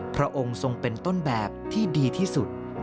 พระองค์ทรงเป็นต้นแบบที่ดีที่สุด